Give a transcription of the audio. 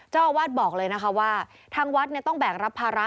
เจ้าอาวาสบอกเลยนะคะว่าทางวัดต้องแบกรับภาระ